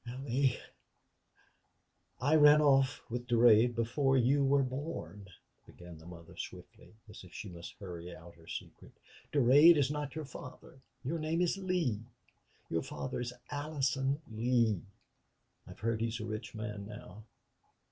"Allie, I ran off with Durade before you were born," began the mother, swiftly, as if she must hurry out her secret. "Durade is not your father.... Your name is Lee. Your father is Allison Lee. I've heard he's a rich man now....